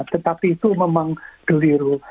tetapi itu memang keliru